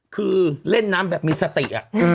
คือเล่นน้ำแบบมีสติ